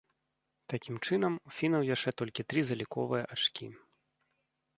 Такім чынам, у фінаў яшчэ толькі тры заліковыя ачкі.